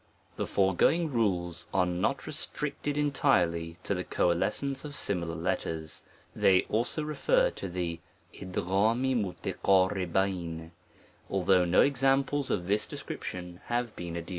THE foregoing rules are not restricted entirely to the coalescence of similar letters, they also */, .9 refer to the pdft&U (*M although no examples of this description have beeji adduced.